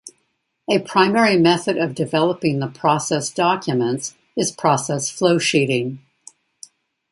A primary method of developing the process documents is process flowsheeting.